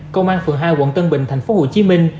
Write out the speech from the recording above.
công an phường hai quận tân bình thành phố hồ chí minh